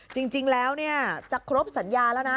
จริงแล้วจะครบสัญญาแล้วนะ